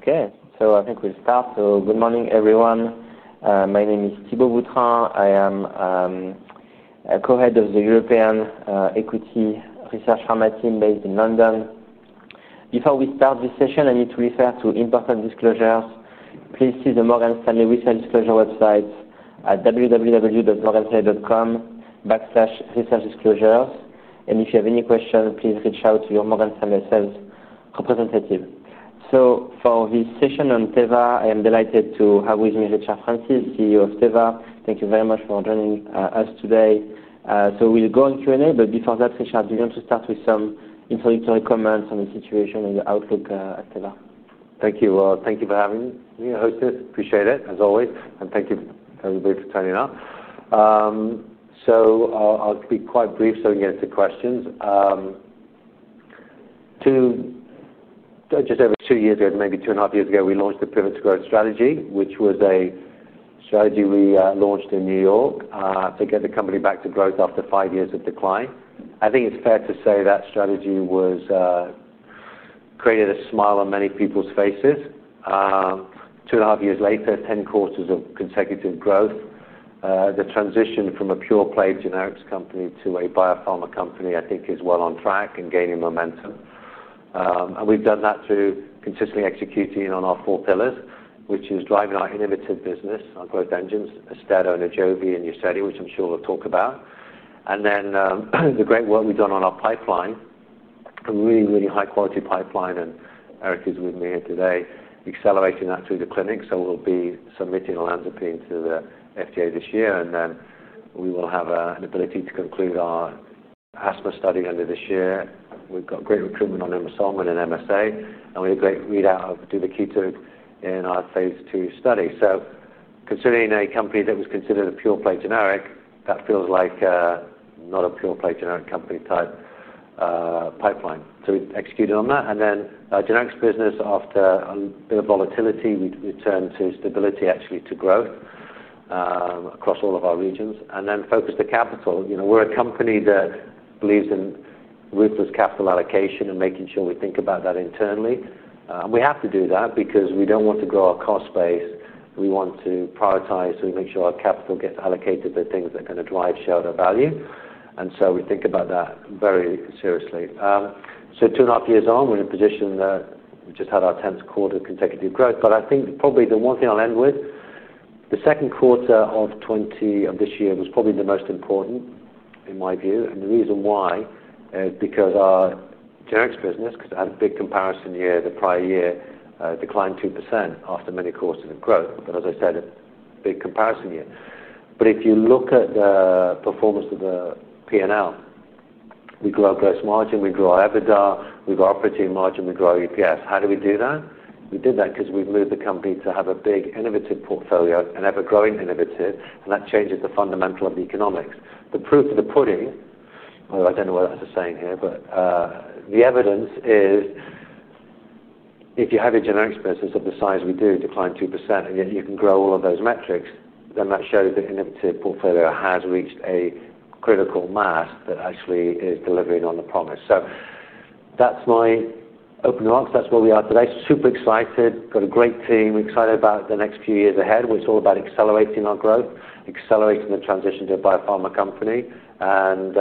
Okay. I think we've started. Good morning, everyone. My name is Thibault Boutrin. I am a Co-Head of the European Equity Research Pharma team based in London. Before we start this session, I need to refer to important disclosures. Please see the Morgan Stanley Research Disclosure website at www.morganstanley.com/researchdisclosure. If you have any questions, please reach out to your Morgan Stanley sales representative. For this session on Teva Pharmaceutical Industries, I am delighted to have with me Richard Francis, CEO of Teva. Thank you very much for joining us today. We'll go on Q&A. Before that, Richard, do you want to start with some introductory comments on the situation and the outlook at Teva? Thank you. Thank you for having me, Joseph. Appreciate it, as always. Thank you, everybody, for turning up. I'll be quite brief so we can get into questions. Just over two years ago, maybe two and a half years ago, we launched the Pivot to Growth strategy, which was a strategy we launched in New York to get the company back to growth after five years of decline. I think it's fair to say that strategy created a smile on many people's faces. Two and a half years later, 10 quarters of consecutive growth. The transition from a pure-play generics company to a biopharmaceutical company, I think, is well on track and gaining momentum. We've done that through consistently executing on our four pillars, which is driving our innovative business, our growth engines, Austedo, Ajovy, and Uzedy, which I'm sure we'll talk about. The great work we've done on our pipeline, a really, really high-quality pipeline, and Dr. Eric Hughes is with me here today, accelerating that through the clinic. We'll be submitting olanzapine to the FDA this year, and we will have an ability to conclude our asthma study end of this year. We've got great recruitment on Emerson and MSA, and we had a great readout of our ICS-SABA combination in our phase two study. Considering a company that was considered a pure-play generic, that feels like not a pure-play generic company type pipeline. We executed on that. Our generics business, after a bit of volatility, we turned to stability, actually, to growth across all of our regions. Then focus the capital. You know, we're a company that believes in ruthless capital allocation and making sure we think about that internally. We have to do that because we don't want to grow our cost base. We want to prioritize so we make sure our capital gets allocated for things that are going to drive shareholder value. We think about that very seriously. Two and a half years on, we're in a position that we just had our 10th quarter of consecutive growth. I think probably the one thing I'll end with, the second quarter of 2024 was probably the most important in my view. The reason why is because our generics business, because it had a big comparison year, the prior year, declined 2% after many quarters of growth. As I said, a big comparison year. If you look at the performance of the P&L, we grow our gross margin, we grow our EBITDA, we grow our operating margin, we grow our EPS. How do we do that? We did that because we've moved the company to have a big innovative portfolio, an ever-growing innovative, and that changes the fundamental of the economics. The proof to the pudding, although I don't know what that saying is here, but the evidence is if you have a generics business of the size we do, declined 2%, and yet you can grow all of those metrics, that shows the innovative portfolio has reached a critical mass that actually is delivering on the promise. That's my opening remarks. That's where we are today. Super excited. Got a great team. We're excited about the next few years ahead, which is all about accelerating our growth, accelerating the transition to a biopharmaceutical company, and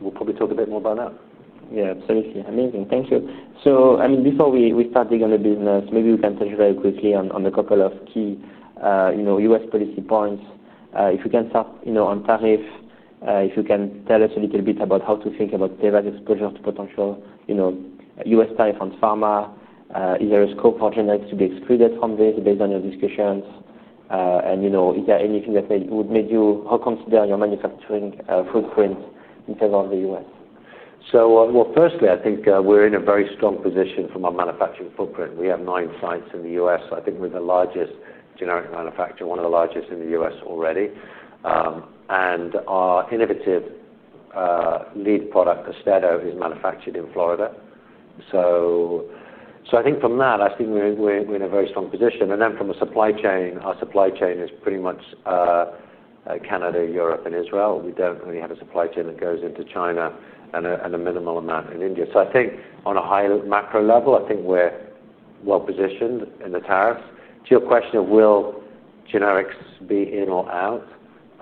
we'll probably talk a bit more about that. Yeah, absolutely. Amazing. Thank you. Before we start digging a bit in this, maybe we can touch very quickly on a couple of key U.S. policy points. If you can start on tariff, if you can tell us a little bit about how to think about Teva's exposure to potential U.S. tariff on pharma, is there a scope for generics to be excluded from this based on your discussions? Is there anything that would make you reconsider your manufacturing footprint in terms of the U.S.? Firstly, I think we're in a very strong position from our manufacturing footprint. We have nine sites in the U.S. I think we're the largest generic manufacturer, one of the largest in the U.S. already. Our innovative lead product, Austedo, is manufactured in Florida. I think from that, we're in a very strong position. From a supply chain, our supply chain is pretty much Canada, Europe, and Israel. We don't really have a supply chain that goes into China and a minimal amount in India. I think on a high macro level, we're well positioned in the tariffs. To your question of will generics be in or out,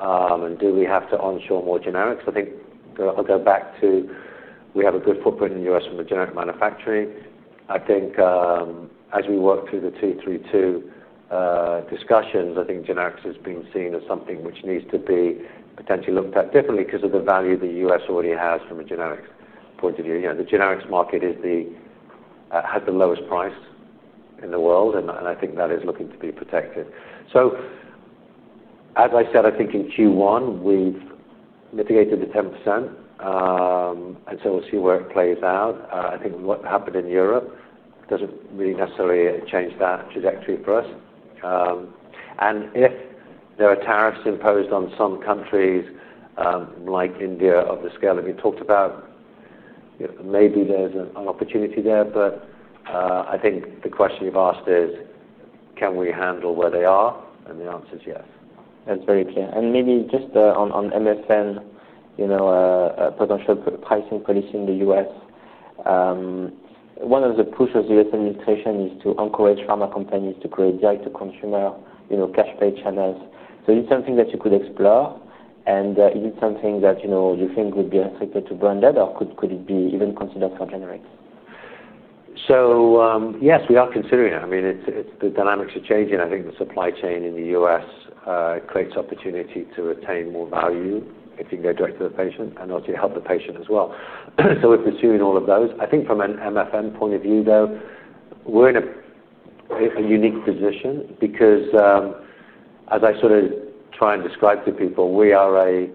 and do we have to onshore more generics? I'll go back to we have a good footprint in the U.S. from a generic manufacturing. As we work through the T3-2 discussions, I think generics is being seen as something which needs to be potentially looked at differently because of the value the U.S. already has from a generics point of view. The generics market has the lowest price in the world, and I think that is looking to be protected. As I said, in Q1, we've mitigated the 10%. We'll see where it plays out. What happened in Europe doesn't really necessarily change that trajectory for us. If there are tariffs imposed on some countries, like India, of the scale that we talked about, maybe there's an opportunity there. I think the question you've asked is, can we handle where they are? The answer is yes. That's very clear. Maybe just on MSN, you know, a potential pricing policy in the U.S. One of the pushes of this administration is to encourage pharma companies to create direct-to-consumer cash pay channels. Is it something that you could explore? Is it something that you think would be a threat to branded, or could it be even considered for generics? Yes, we are considering it. I mean, the dynamics are changing. I think the supply chain in the U.S. creates opportunity to retain more value if you go direct to the patient and also help the patient as well. We're pursuing all of those. I think from an MFM point of view, we're in a unique position because, as I sort of try and describe to people, we are a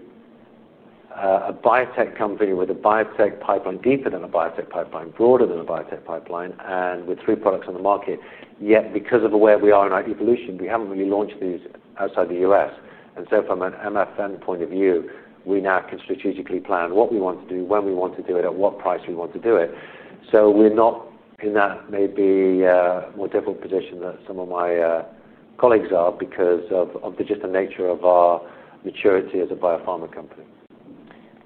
biotech company with a biotech pipeline deeper than a biotech pipeline, broader than a biotech pipeline, and with three products on the market. Yet because of where we are in our evolution, we haven't really launched these outside the U.S. From an MFM point of view, we now can strategically plan what we want to do, when we want to do it, at what price we want to do it. We're not in that maybe more difficult position that some of my colleagues are because of just the nature of our maturity as a biopharma company.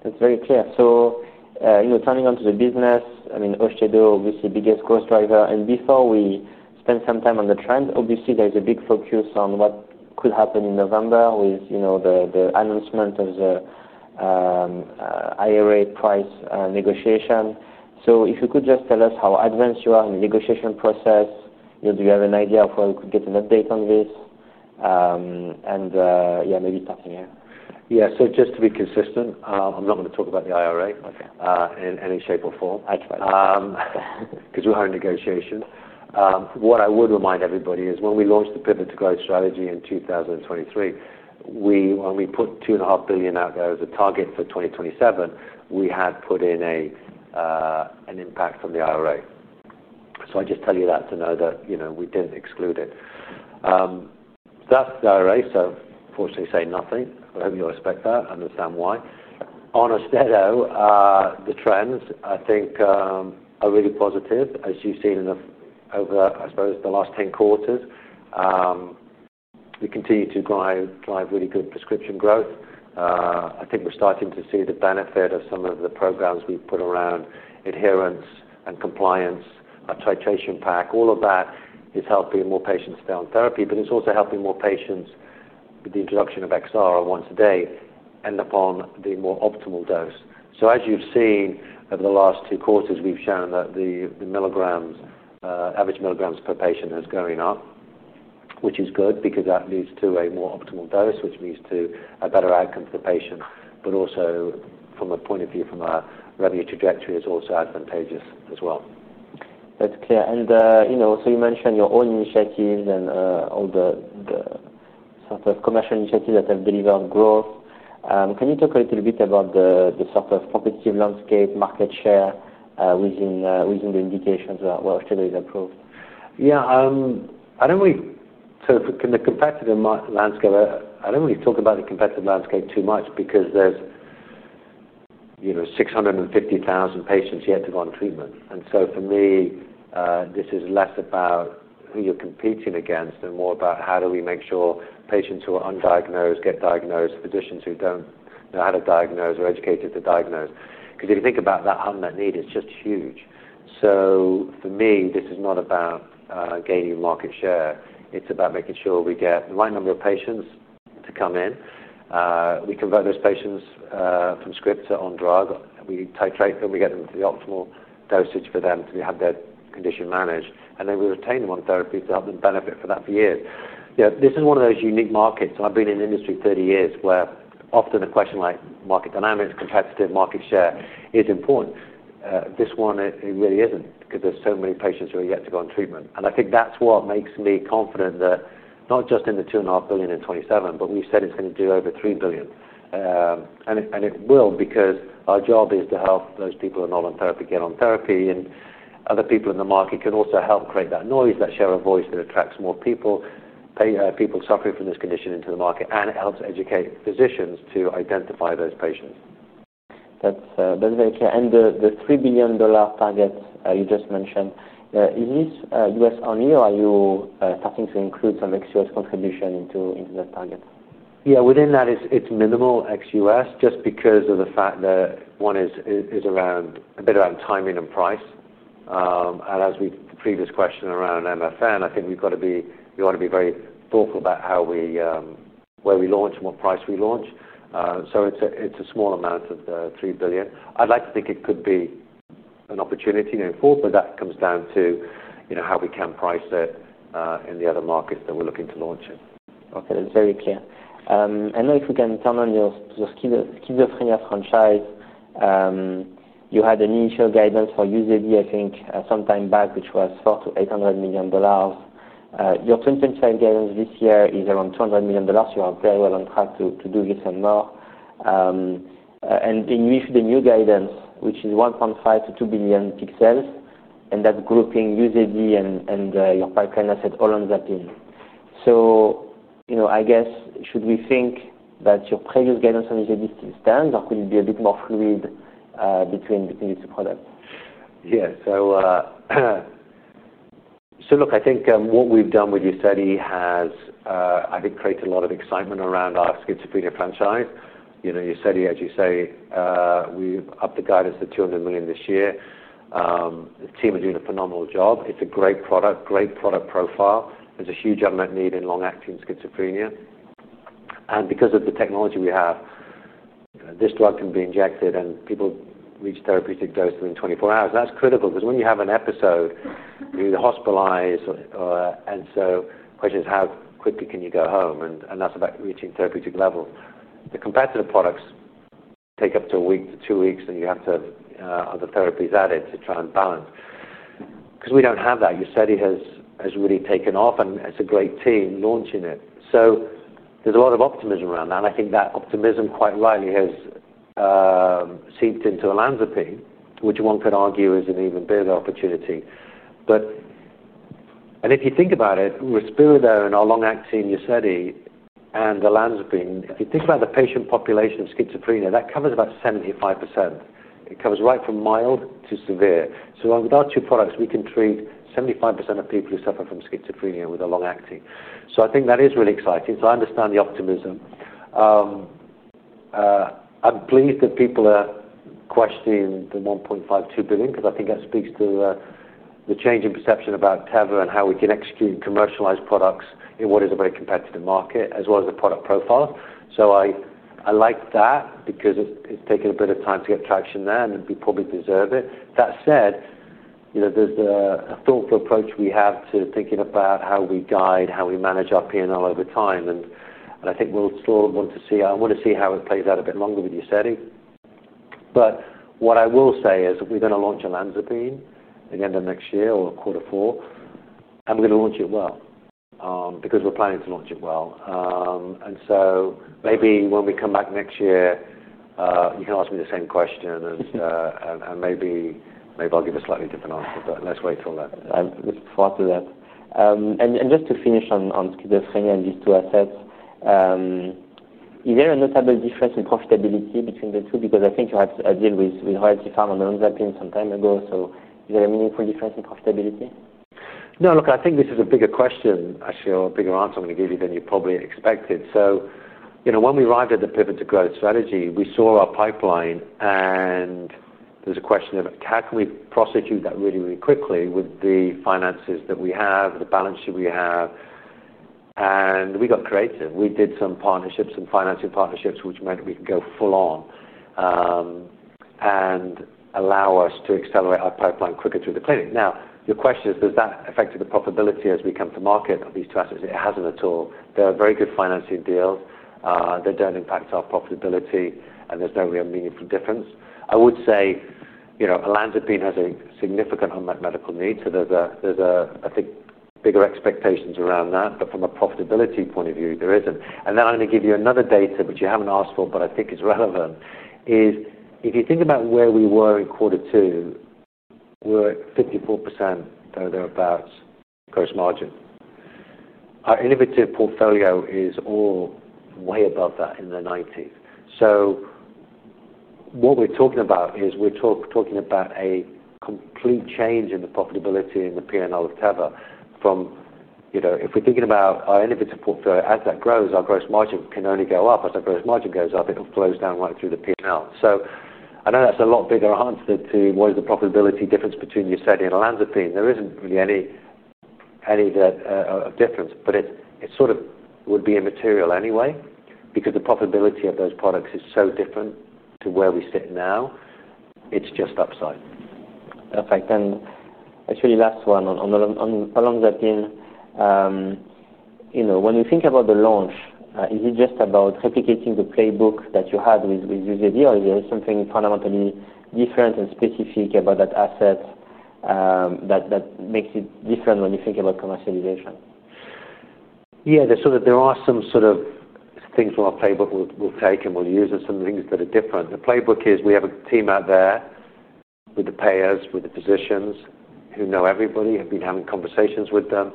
That's very clear. Turning onto the business, I mean, Austedo, obviously, biggest growth driver. Before we spend some time on the trend, there's a big focus on what could happen in November with the announcement of the IRA price negotiation. If you could just tell us how advanced you are in the negotiation process, do you have an idea of where we could get an update on this? Maybe starting here. Yeah. Just to be consistent, I'm not going to talk about the IRA in any shape or form because we're having negotiations. What I would remind everybody is when we launched the pivot to growth strategy in 2023, when we put $2.5 billion out there as a target for 2027, we had put in an impact from the IRA. I just tell you that to know that we didn't exclude it. That's the IRA. Fortunately, say nothing. I hope you'll respect that. I understand why. On Austedo, the trends, I think, are really positive, as you've seen in the over, I suppose, the last 10 quarters. We continue to drive really good prescription growth. I think we're starting to see the benefit of some of the programs we've put around adherence and compliance, a titration pack. All of that is helping more patients stay on therapy, but it's also helping more patients with the introduction of XR once a day and upon the more optimal dose. As you've seen over the last two quarters, we've shown that the average milligrams per patient is going up, which is good because that leads to a more optimal dose, which leads to a better outcome for the patient. Also, from a point of view, from a revenue trajectory, it's also advantageous as well. That's clear. You mentioned your own initiatives and all the sort of commercial initiatives that have delivered on growth. Can you talk a little bit about the sort of competitive landscape, market share within the indications where Austedo is approved? I don't really talk about the competitive landscape too much because there's, you know, 650,000 patients yet to go on treatment. For me, this is less about who you're competing against and more about how do we make sure patients who are undiagnosed get diagnosed, physicians who don't know how to diagnose are educated to diagnose. If you think about that unmet need, it's just huge. For me, this is not about gaining market share. It's about making sure we get the right number of patients to come in. We convert those patients from script to on drug. We titrate them. We get them to the optimal dosage for them to have their condition managed. We retain them on therapy to help them benefit for that for years. This is one of those unique markets. I've been in the industry 30 years where often a question like market dynamics, competitive market share is important. This one, it really isn't because there's so many patients who are yet to go on treatment. I think that's what makes me confident that not just in the $2.5 billion in 2027, but we've said it's going to do over $3 billion. It will because our job is to help those people who are not on therapy get on therapy. Other people in the market can also help create that noise, that share of voice that attracts more people, people suffering from this condition into the market. It helps educate physicians to identify those patients. That's very clear. The $3 billion target you just mentioned, is this U.S. only, or are you starting to include some ex-U.S. contribution into that target? Yeah, within that, it's minimal ex-U.S. just because of the fact that one is around a bit around timing and price. As with the previous question around MFN, I think we've got to be, we want to be very thoughtful about how we, where we launch, and what price we launch. It's a small amount of the $3 billion. I'd like to think it could be an opportunity going forward, but that comes down to how we can price it in the other markets that we're looking to launch in. Okay, that's very clear. If we can turn on your schizophrenia franchise, you had an initial guidance for Uzedy, I think, some time back, which was $400 to $800 million. Your 2025 guidance this year is around $200 million. You are very well on track to do it some more. Then we issued a new guidance, which is $1.5 to $2 billion, and that's grouping Uzedy and your pipeline asset olanzapine. Should we think that your previous guidance on Uzedy still stands, or could it be a bit more fluid between the two products? Yeah. Look, I think what we've done with Uzedy has created a lot of excitement around our schizophrenia franchise. Uzedy, as you say, we've upped the guidance to $200 million this year. The team is doing a phenomenal job. It's a great product, great product profile. There's a huge unmet need in long-acting schizophrenia. Because of the technology we have, this drug can be injected and people reach therapeutic dose in 24 hours. That's critical because when you have an episode, you either hospitalize or, and so the question is how quickly can you go home? That's about reaching therapeutic level. The competitive products take up to a week to two weeks, and you have to have other therapies added to try and balance. We don't have that. Uzedy has really taken off, and it's a great team launching it. There's a lot of optimism around that. I think that optimism quite rightly has seeped into olanzapine, which one could argue is an even bigger opportunity. If you think about it, Respiro though, and our long-acting Uzedy and olanzapine, if you think about the patient population schizophrenia, that covers about 75%. It covers right from mild to severe. With our two products, we can treat 75% of people who suffer from schizophrenia with a long-acting. I think that is really exciting. I understand the optimism. I'm pleased that people are questioning the $1.5 to $2 billion because I think that speaks to the change in perception about Teva Pharmaceutical Industries and how we can execute commercialized products in what is a very competitive market, as well as the product profile. I like that because it's taken a bit of time to get traction there, and we probably deserve it. That said, there's a thoughtful approach we have to thinking about how we guide, how we manage our P&L over time. I think we'll still want to see, I want to see how it plays out a bit longer with Uzedy. What I will say is we're going to launch olanzapine at the end of next year or quarter four, and we're going to launch it well because we're planning to launch it well. Maybe when we come back next year, you can ask me the same question, and maybe I'll give a slightly different answer, but let's wait till then. Let's follow up with that. Just to finish on schizophrenia and these two assets, is there a notable difference in profitability between the two? I think you had a deal with Royalty Pharma and olanzapine some time ago. Is there a meaningful difference in profitability? No, look, I think this is a bigger question, actually, or a bigger answer I'm going to give you than you probably expected. When we arrived at the pivot to growth strategy, we saw our pipeline, and there's a question of how can we prosecute that really, really quickly with the finances that we have, the balance sheet we have. We got creative. We did some partnerships, some financing partnerships, which meant we could go full on and allow us to accelerate our pipeline quicker through the clinic. Now, your question is, does that affect the profitability as we come to market of these two assets? It hasn't at all. They're a very good financing deal. They don't impact our profitability, and there's no real meaningful difference. I would say, you know, olanzapine has a significant unmet medical need. There's, I think, bigger expectations around that. From a profitability point of view, there isn't. I'm going to give you another data, which you haven't asked for, but I think is relevant. If you think about where we were in quarter two, we're at 54% gross margin, thereabouts. Our innovative portfolio is all way above that in the 90s. What we're talking about is we're talking about a complete change in the profitability and the P&L of Teva. If we're thinking about our innovative portfolio, as that grows, our gross margin can only go up. As that gross margin goes up, it flows down right through the P&L. I know that's a lot bigger answer to what is the profitability difference between Uzedy and olanzapine. There isn't really any difference, but it sort of would be immaterial anyway because the profitability of those products is so different to where we sit now. It's just upside. Perfect. Actually, last one on olanzapine. When you think about the launch, is it just about replicating the playbook that you had with Uzedy, or is there something fundamentally different and specific about that asset that makes it different when you think about commercialization? Yeah, there are some things that our playbook will take and we'll use and some things that are different. The playbook is we have a team out there with the payers, with the physicians who know everybody, have been having conversations with them.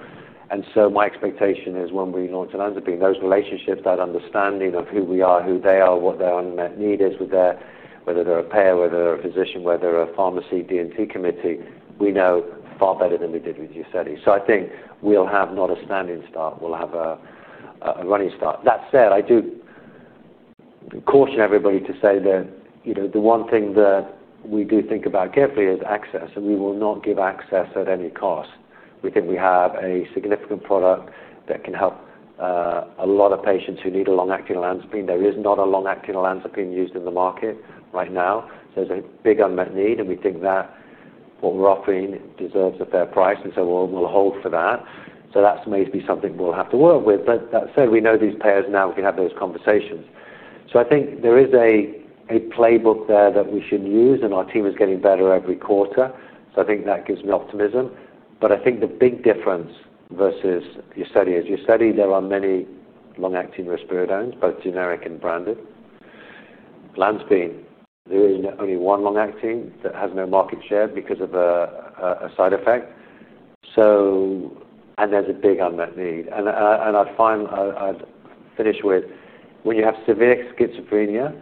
My expectation is when we launch olanzapine, those relationships, that understanding of who we are, who they are, what their unmet need is, whether they're a payer, whether they're a physician, whether they're a pharmacy, D&T committee, we know far better than we did with Uzedy. I think we'll have not a standing start. We'll have a running start. That said, I do caution everybody to say that the one thing that we do think about carefully is access. We will not give access at any cost. We think we have a significant product that can help a lot of patients who need a long-acting olanzapine. There is not a long-acting olanzapine used in the market right now. There's a big unmet need, and we think that what we're offering deserves a fair price. We'll hold for that. That may be something we'll have to work with. That said, we know these payers now. We can have those conversations. I think there is a playbook there that we should use, and our team is getting better every quarter. I think that gives me optimism. I think the big difference versus Uzedy is Uzedy, there are many long-acting risperidones, both generic and branded. Olanzapine, there is only one long-acting that has no market share because of a side effect, and there's a big unmet need. I'd finish with when you have severe schizophrenia,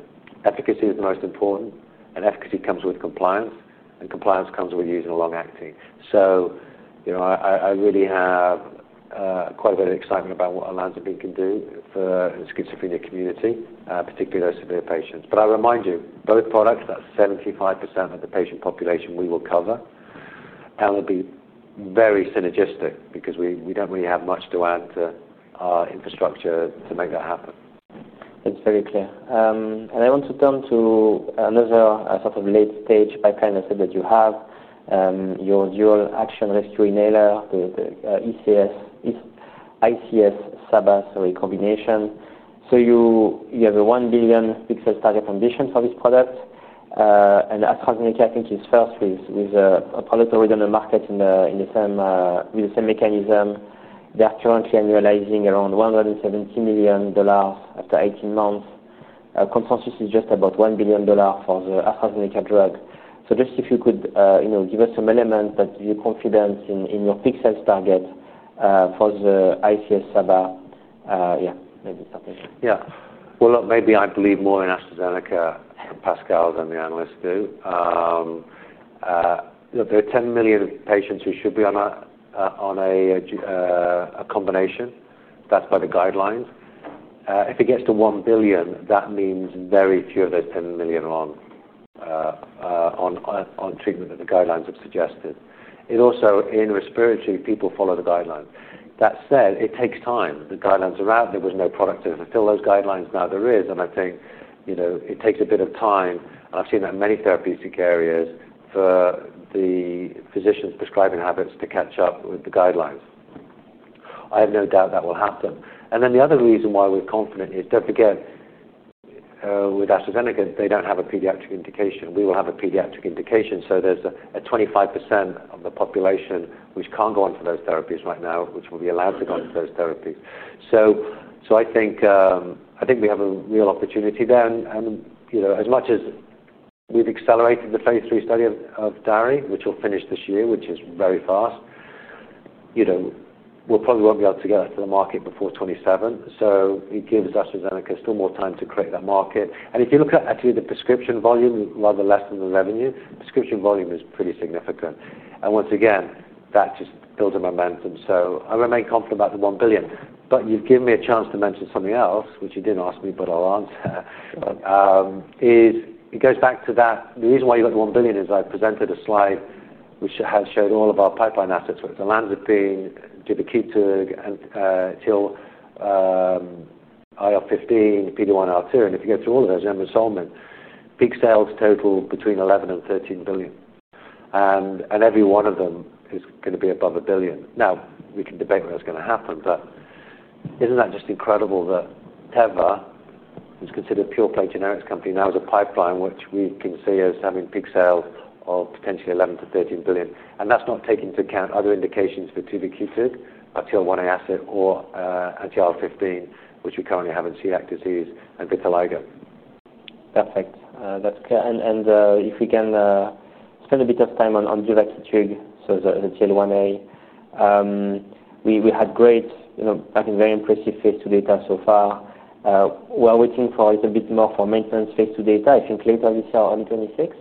efficacy is the most important, and efficacy comes with compliance, and compliance comes with using a long-acting. I really have quite a bit of excitement about what olanzapine can do for the schizophrenia community, particularly those severe patients. I'll remind you, both products, that's 75% of the patient population we will cover. It'll be very synergistic because we don't really have much to add to our infrastructure to make that happen. That's very clear. I want to turn to another sort of late-stage pipeline asset that you have, your dual-action rescue inhaler, the ICS-SABA combination. You have a $1 billion target ambition for this product. AstraZeneca, I think, is first with a product already on the market with the same mechanism. They're currently annualizing around $170 million after 18 months. Consensus is just about $1 billion for the AstraZeneca drug. If you could give us some elements that you're confident in your $1 billion target for the ICS-SABA. Maybe start there. Yeah. Maybe I believe more in AstraZeneca, Pascal, than the analysts do. There are 10 million patients who should be on a combination. That's by the guidelines. If it gets to $1 billion, that means very few of those 10 million are on treatment that the guidelines have suggested. In respiratory, people follow the guidelines. That said, it takes time. The guidelines are out. There was no product until those guidelines. Now there is, and I think it takes a bit of time. I've seen that in many therapeutic areas for the physicians' prescribing habits to catch up with the guidelines. I have no doubt that will happen. The other reason why we're confident is, don't forget, with AstraZeneca, they don't have a pediatric indication. We will have a pediatric indication. There's a 25% of the population which can't go on for those therapies right now, which will be allowed to go on for those therapies. I think we have a real opportunity there. As much as we've accelerated the phase three study of DARI, which will finish this year, which is very fast, we probably won't be able to get that to the market before 2027. It gives AstraZeneca still more time to create that market. If you look at actually the prescription volume, rather less than the revenue, prescription volume is pretty significant. Once again, that just builds a momentum. I remain confident about the $1 billion. You've given me a chance to mention something else, which you didn't ask me, but I'll answer. It goes back to that. The reason why you got the $1 billion is I presented a slide which has shown all of our pipeline assets, which are olanzapine, and till IL-15, PD-1, IL-2. If you go through all of those, Emerson, Peak Sales total between $11 billion and $13 billion. Every one of them is going to be above $1 billion. We can debate whether it's going to happen, but isn't that just incredible that Teva, who's considered a pure-play generics company, now has a pipeline which we can see as having Peak Sale of potentially $11 billion to $13 billion? That's not taking into account other indications for till 1A asset or till IL-15, which we currently have in celiac disease and vitiligo. Perfect. That's clear. If we can spend a bit of time on Austedo, until 1A, we had great, you know, I think very impressive phase two data so far. We're waiting for a little bit more for maintenance phase two data. I think later this year on 26.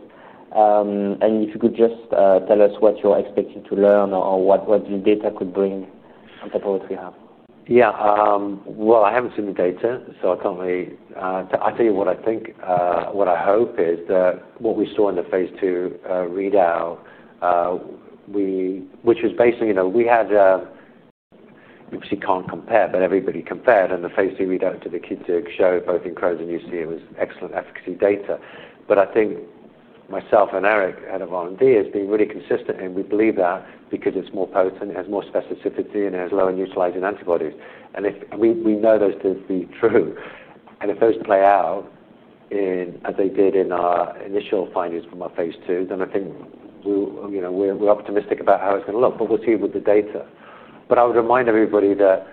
If you could just tell us what you're expecting to learn or what the data could bring on top of what we have. I haven't seen the data, so I can't really... I'll tell you what I think. I hope that what we saw in the phase two readout, which was based on, you know, we had... Obviously, you can't compare, but everybody compared. The phase two readout to the Kidtu showed both encros and UC was excellent efficacy data. I think myself and Dr. Eric Hughes and a volunteer has been really consistent, and we believe that because it's more potent, it has more specificity, and it has lower neutralizing antibodies. If we know those to be true, and if those play out as they did in our initial findings from our phase two, then I think we're optimistic about how it's going to look. We'll see with the data. I would remind everybody that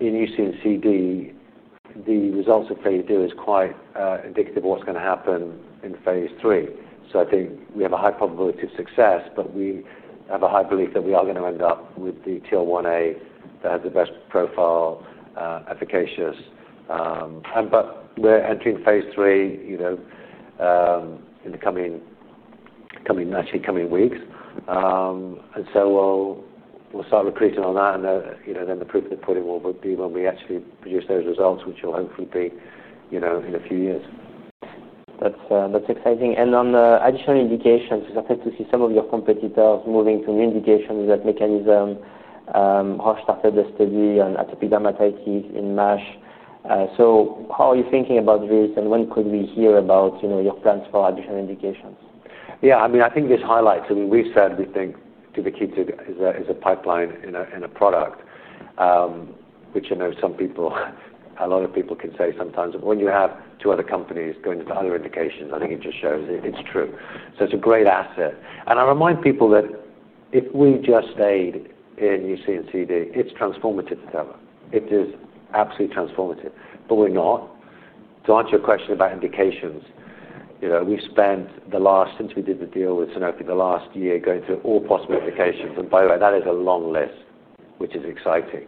in UC and CD, the results of phase two is quite indicative of what's going to happen in phase three. I think we have a high probability of success, and we have a high belief that we are going to end up with the Till 1A that has the best profile, efficacious. We're entering phase three in the coming actually coming weeks. We'll start recruiting on that, and the proof of the pudding will be when we actually produce those results, which will hopefully be in a few years. That's exciting. On the additional indications, we started to see some of your competitors moving to new indications in that mechanism. You have started the study on atopic dermatitis in MASH. How are you thinking about this? When could we hear about your plans for additional indications? Yeah, I mean, I think this highlights. I mean, we've said we think this is a pipeline in a product, which I know some people, a lot of people can say sometimes, but when you have two other companies going into other indications, I think it just shows it's true. It's a great asset. I remind people that if we just stayed in UC and CD, it's transformative to Teva. It is absolutely transformative. We're not. To answer your question about indications, we've spent the last, since we did the deal with Sanofi, the last year going through all possible indications. By the way, that is a long list, which is exciting.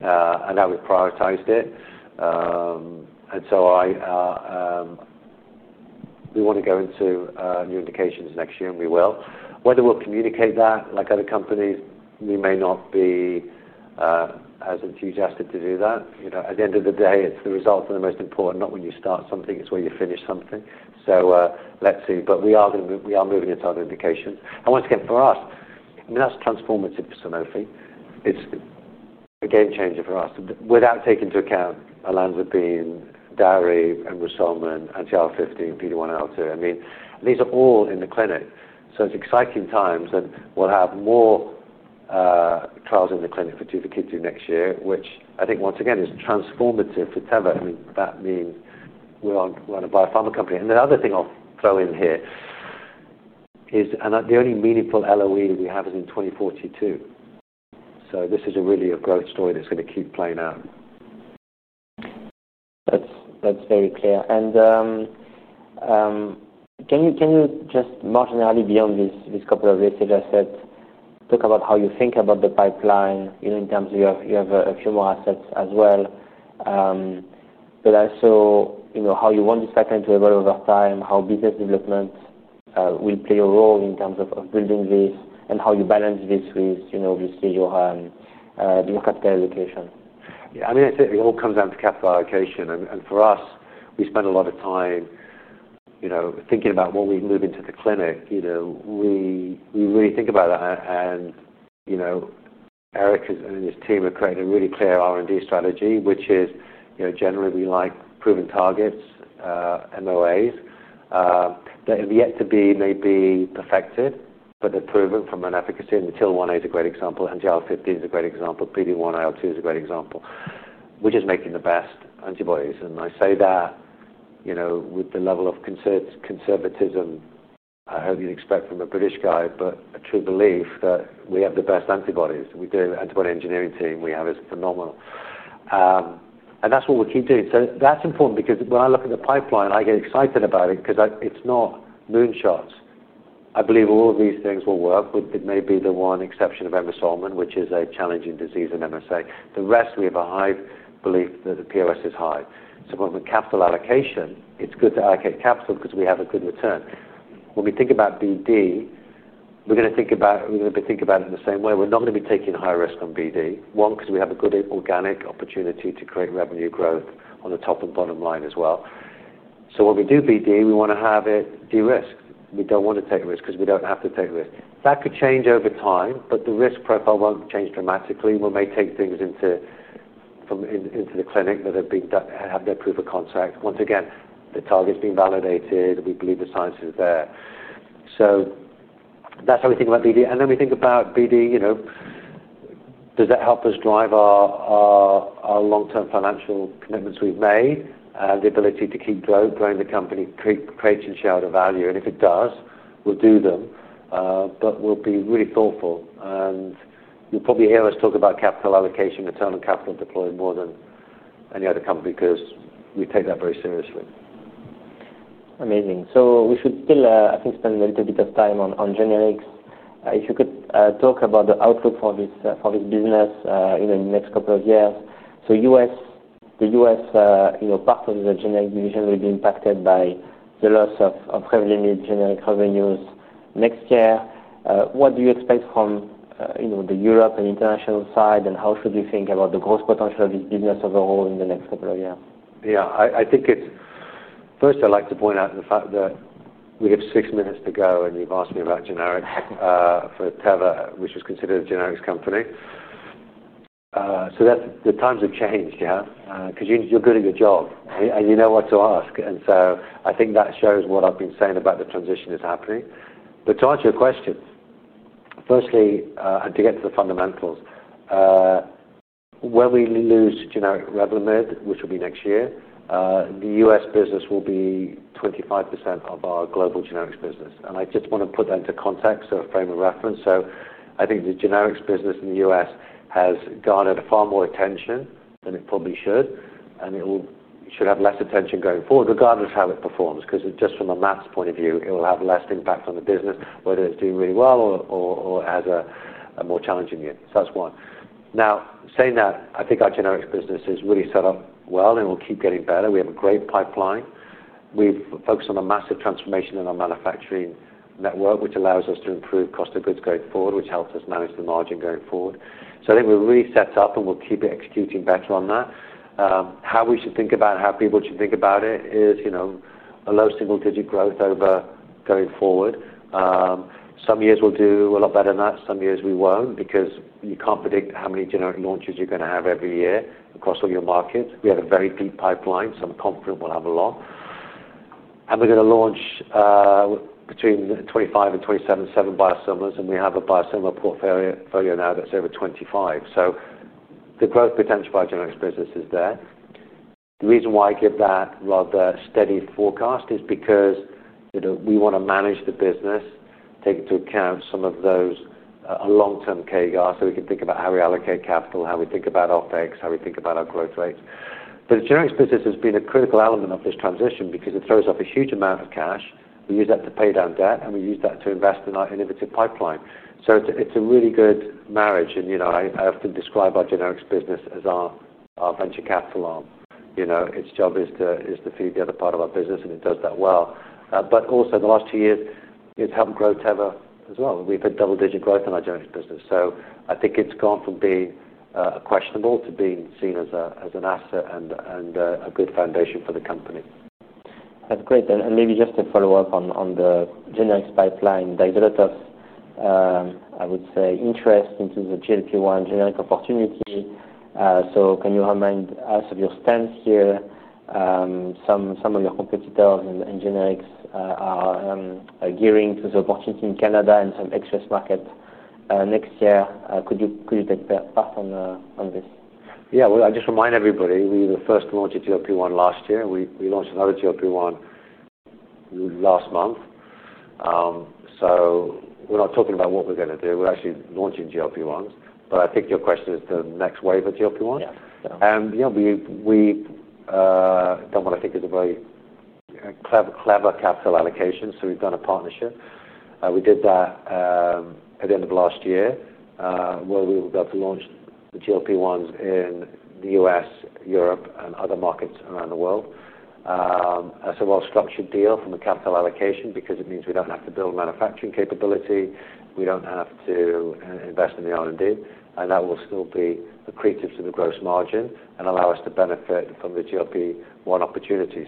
Now we've prioritized it. We want to go into new indications next year, and we will. Whether we'll communicate that like other companies, we may not be as enthusiastic to do that. At the end of the day, it's the result and the most important, not when you start something, it's where you finish something. Let's see. We are moving into other indications. Once again, for us, and that's transformative for Sanofi. It's a game changer for us. Without taking into account olanzapine, DARI, and Risolmen, and TR15, PD-1, IL-2. These are all in the clinic. It's exciting times. We'll have more trials in the clinic for this next year, which I think, once again, is transformative for Teva. That being we're on a biopharma company. The other thing I'll throw in here is, and the only meaningful LOE we have is in 2042. This is really a growth story that's going to keep playing out. That's very clear. Can you just, marginally beyond these couple of research assets, talk about how you think about the pipeline, in terms of your, you have a few more assets as well? Also, how you want this pipeline to evolve over time, how business development will play a role in terms of building this, and how you balance this with, obviously, your capital allocation. Yeah, I mean, I think it all comes down to capital allocation. For us, we spend a lot of time thinking about when we move into the clinic. We really think about that. Eric and his team have created a really clear R&D strategy, which is, generally, we like proven targets, MOAs. They're yet to be maybe perfected, but they're proven from an efficacy. The Till 1A is a great example. JL15 is a great example. PD-1, IL-2 is a great example, which is making the best antibodies. I say that with the level of conservatism I heard you expect from a British guy, but a true belief that we have the best antibodies. The antibody engineering team we have is phenomenal, and that's what we keep doing. That's important because when I look at the pipeline, I get excited about it because it's not moonshots. I believe all of these things will work with maybe the one exception of Emerson, which is a challenging disease in MSA. The rest, we have a high belief that the POS is high. When we do capital allocation, it's good to allocate capital because we have a good return. When we think about BD, we're going to think about it in the same way. We're not going to be taking high risk on BD, because we have a good organic opportunity to create revenue growth on the top and bottom line as well. When we do BD, we want to have it de-risked. We don't want to take risk because we don't have to take risk. That could change over time, but the risk profile won't change dramatically. We may take things into the clinic that have had their proof of concept. Once again, the target's been validated. We believe the science is there. That's how we think about BD. When we think about BD, does that help us drive our long-term financial commitments we've made and the ability to keep growing the company, creating shareholder value? If it does, we'll do them. We'll be really thoughtful. You'll probably hear us talk about capital allocation, return on capital deployed more than any other company because we take that very seriously. Amazing. We should still, I think, spend a little bit of time on generics. If you could talk about the outlook for this business in the next couple of years. The U.S., you know, part of the generic division will be impacted by the loss of heavy Revlimid generic revenues next year. What do you expect from, you know, the Europe and international side? How should you think about the growth potential of this business overall in the next couple of years? Yeah, I think first, I'd like to point out the fact that we have six minutes to go, and you've asked me about generics for Teva, which is considered a generics company. The times have changed, yeah, because you're doing a good job, and you know what to ask. I think that shows what I've been saying about the transition that's happening. To answer your question, firstly, and to get to the fundamentals, when we lose generic Revlimid, which will be next year, the U.S. business will be 25% of our global generics business. I just want to put that into context, so a frame of reference. I think the generics business in the U.S. has garnered far more attention than it probably should. It should have less attention going forward, regardless of how it performs, because just from a math point of view, it will have less impact on the business, whether it's doing really well or has a more challenging year. That's one. Now, saying that, I think our generics business is really set up well, and it will keep getting better. We have a great pipeline. We've focused on a massive transformation in our manufacturing network, which allows us to improve cost of goods going forward, which helps us manage the margin going forward. I think we're really set up, and we'll keep executing better on that. How we should think about it, how people should think about it is, you know, a low single-digit growth going forward. Some years we'll do a lot better than that. Some years we won't because you can't predict how many generic launches you're going to have every year across all your markets. We have a very deep pipeline, so I'm confident we'll have a lot. We're going to launch, between 25 and 27, biosimilars, and we have a biosimilar portfolio now that's over 25. The growth potential for our generics business is there. The reason why I give that rather steady forecast is because, you know, we want to manage the business, take into account some of those long-term CAGRs so we can think about how we allocate capital, how we think about optics, how we think about our growth rates. The generics business has been a critical element of this transition because it throws off a huge amount of cash. We use that to pay down debt, and we use that to invest in our innovative pipeline. It's a really good marriage. I often describe our generics business as our venture capital arm. You know, its job is to feed the other part of our business, and it does that well. Also, the last two years, it's helped grow Teva as well. We've had double-digit growth in our generics business. I think it's gone from being questionable to being seen as an asset and a good foundation for the company. That's great. Maybe just to follow up on the generics pipeline, there's a lot of, I would say, interest in the GLP-1 generic opportunity. Can you remind us of your stance here? Some of your competitors in generics are gearing to the opportunity in Canada and some access market next year. Could you take part in this? I just remind everybody, we first launched GLP-1 last year. We launched another GLP-1 last month. We're not talking about what we're going to do. We're actually launching GLP-1s. I think your question is the next wave of GLP-1. Yeah. We've done what I think is a very clever capital allocation. We've done a partnership. We did that at the end of last year, where we were about to launch the GLP-1s in the U.S., Europe, and other markets around the world. It's a well-structured deal from a capital allocation perspective because it means we don't have to build manufacturing capability. We don't have to invest in the R&D. That will still be accretive to the gross margin and allow us to benefit from the GLP-1 opportunity.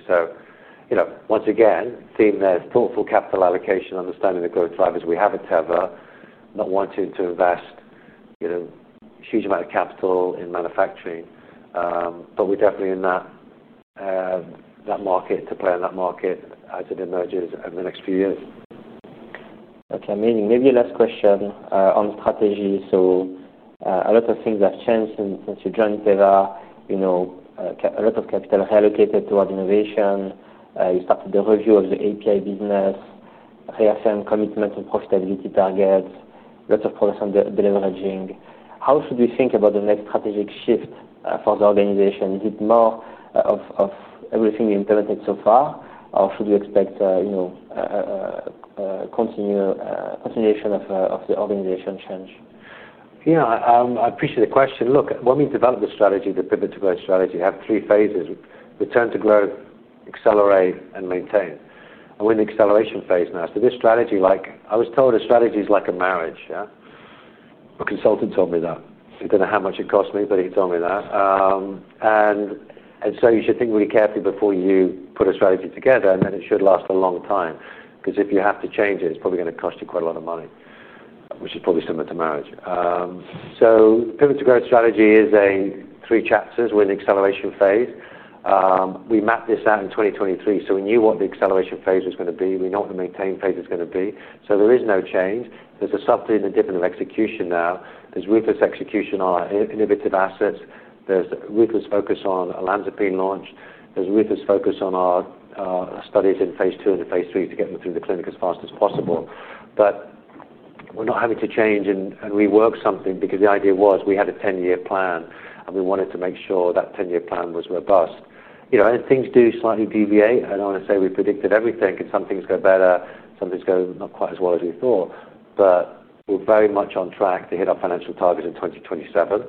Once again, theme there, thoughtful capital allocation, understanding the growth drivers we have at Teva Pharmaceutical Industries, not wanting to invest a huge amount of capital in manufacturing. We're definitely in that market to play in that market as it emerges over the next few years. Okay, amazing. Maybe last question, on strategy. A lot of things have changed since you joined Teva. A lot of capital reallocated toward innovation. You started the review of the API business, reassigned commitment to profitability targets, lots of products on the leveraging. How should we think about the next strategic shift for the organization? Is it more of everything you implemented so far, or should we expect a continuation of the organization change? Yeah, I appreciate the question. Look, when we develop a strategy, the pivot to growth strategy, we have three phases: return to growth, accelerate, and maintain. We're in the acceleration phase now. This strategy, like I was told, a strategy is like a marriage. Yeah, a consultant told me that. I don't know how much it cost me, but he told me that. You should think really carefully before you put a strategy together, and then it should last a long time because if you have to change it, it's probably going to cost you quite a lot of money, which is probably similar to marriage. The pivot to growth strategy is three chapters. We're in the acceleration phase. We mapped this out in 2023, so we knew what the acceleration phase was going to be. We know what the maintain phase is going to be. There is no change. There's a subtle dip in the execution now. There's ruthless execution on our innovative assets. There's ruthless focus on olanzapine launch. There's ruthless focus on our studies in phase two and phase three to get them through the clinic as fast as possible. We're not having to change and rework something because the idea was we had a 10-year plan, and we wanted to make sure that 10-year plan was robust. Things do slightly deviate. I don't want to say we predicted everything because some things go better, some things go not quite as well as we thought. We're very much on track to hit our financial targets in 2027.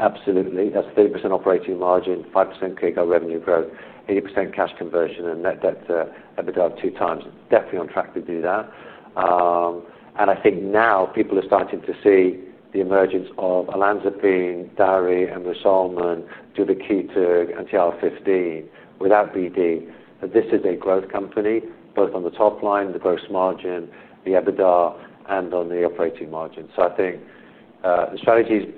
Absolutely. That's 30% operating margin, 5% CAGR revenue growth, 80% cash conversion, and net debt/EBITDA of two times. Definitely on track to do that. I think now people are starting to see the emergence of olanzapine, DARI, and Risolmen, and TR15 without BD. This is a growth company, both on the top line, the gross margin, the EBITDA, and on the operating margin. I think the strategy's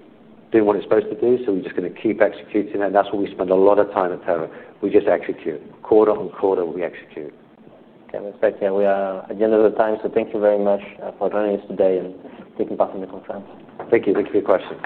doing what it's supposed to do. We're just going to keep executing it. That's what we spend a lot of time at Teva. We just execute. Quarter on quarter, we execute. Perfect. Yeah, we are at the end of the time. Thank you very much for joining us today and taking part in your concerns. Thank you. Thank you for your question.